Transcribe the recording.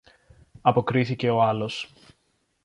αποκρίθηκε ο άλλος.